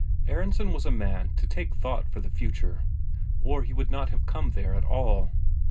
Aronsen was a man to take thought for the future, or he would not have come there at all.